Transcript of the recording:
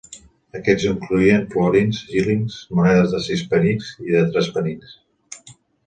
Aquests incloïen florins, xílings, monedes de sis penics i de tres penics.